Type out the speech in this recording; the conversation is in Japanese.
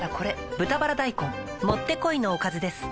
「豚バラ大根」もってこいのおかずです